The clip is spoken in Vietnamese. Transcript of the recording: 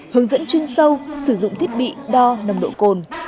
hướng dẫn chuyên sâu sử dụng thiết bị đo nồng độ cồn